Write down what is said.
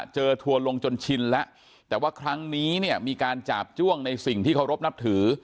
ทัวร์ลงจนชินแล้วแต่ว่าครั้งนี้เนี่ยมีการจาบจ้วงในสิ่งที่เคารพนับถือ